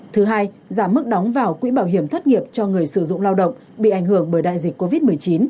thứ hai giảm mức đóng vào quỹ bảo hiểm thất nghiệp cho người sử dụng lao động bị ảnh hưởng bởi đại dịch covid một mươi chín